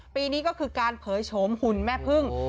ปีนี้ก็คือการเผยโฉมหุ่นแม่พึ่ง